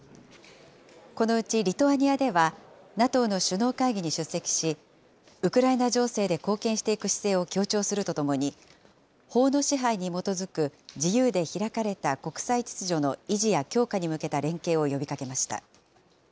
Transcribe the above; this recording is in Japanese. このうちリトアニアでは、ＮＡＴＯの首脳会議に出席し、ウクライナ情勢で貢献していく姿勢を強調するとともに、法の支配に基づく自由で開かれた国際秩序の維持や強化に向けた連携を呼びかけました。